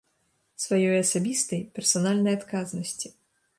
Сваёй асабістай, персанальнай адказнасці.